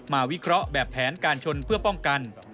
วิเคราะห์แบบแผนการชนเพื่อป้องกัน